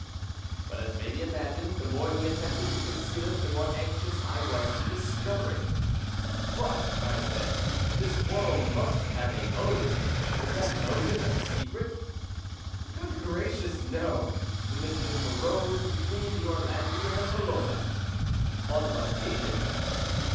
But, as may be imagined, the more he attempted to conceal it the more anxious I was to discover it. "But," said I, "this quarrel must have a motive; is that motive a secret?" "Good gracious, no! The mischief arose between the Orlandi and the Colona." "On what occasion?"